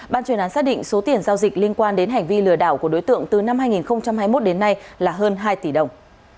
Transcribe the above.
ban chuyên án xác định số tiền giao dịch liên quan đến hành vi lừa đảo của đối tượng từ năm hai nghìn hai mươi một đến nay là hơn hai tỷ đồng